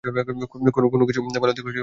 কোনো কিছুর ভালো দিক আমার নজরে পড়ে না।